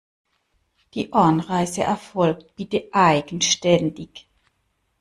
Die Anreise erfolgt bitte eigenständig.